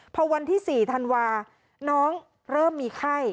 พอวันที่๔ธันวาน้องเริ่มมีไข้